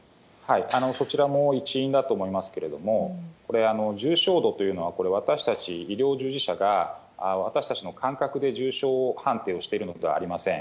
そちらも一因だと思いますけれども、これ、重症度というのは、私たち医療従事者が、私たちの感覚で重症判定をしているのではありません。